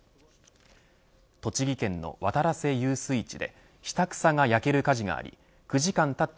栃木県の渡良瀬遊水地で下草が焼ける火事があり９時間たった